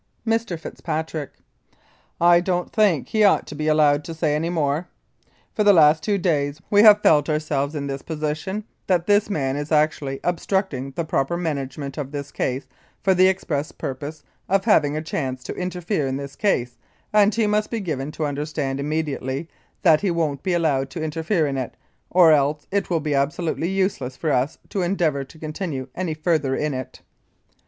Mr. FITZPATRICK: I don't think he ought to be allowed to say any more. For the last two days we have felt ourselves in this position that this man is actually obstructing the proper management of this case for the express purpose of having a chance to interfere in this case, and he must be given to understand immediately that he won't be allowed to interfere in it, or else it will be absolutely useless for us to endeavour to continue any further in it.